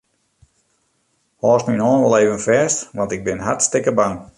Hâldst myn hân wol even fêst, want ik bin hartstikke bang.